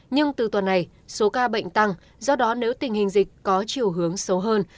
nhưng từ tuần này số ca bệnh tăng do đó nếu tình hình dịch có chiều hướng xấu hơn